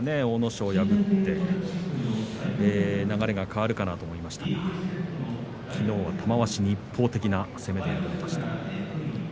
阿武咲を破って流れが変わるかなと思いましたがきのうは玉鷲に一方的な攻めで敗れました。